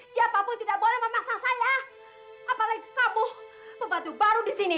siapapun tidak boleh memaksa saya apalagi kamu pembantu baru di sini